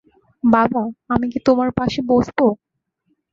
বাবা, আমি কি তোমার পাশে বসব?